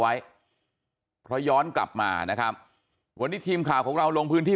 ไว้เพราะย้อนกลับมานะครับวันนี้ทีมข่าวของเราลงพื้นที่